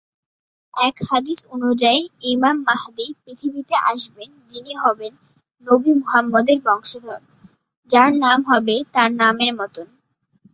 এক হাদিস অনুযায়ী ইমাম মাহদী পৃথিবীতে আসবেন যিনি হবেন নবী মুহাম্মদের বংশধর, যার নাম হবে তার নামের মতন।